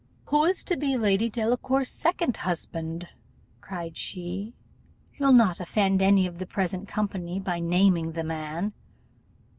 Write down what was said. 'Who is to be Lady Delacour's second husband?' cried she; 'you'll not offend any of the present company by naming the man.